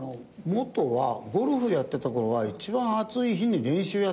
元はゴルフやってた頃は一番暑い日に練習やってたの。